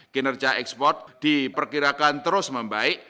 kinerja ekspor diperkirakan terus membaik